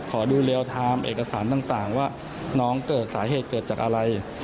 ขอดูเรียลไทม์เอกสารต่างว่าน้องเกิดสาเหตุเกิดจากอะไร